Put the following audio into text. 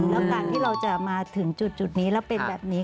แล้วการที่เราจะมาถึงจุดนี้แล้วเป็นแบบนี้